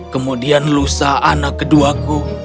kemudian lusa anak keduaku